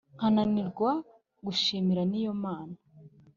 nkananirwa gushimira n'iyo mana